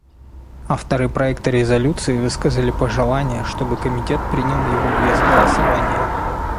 Авторы проекта резолюции высказали пожелание, чтобы Комитет принял его без голосования.